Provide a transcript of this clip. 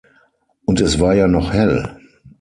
Und es war ja noch hell.